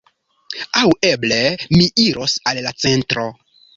Aŭ eble mi iros al la centro.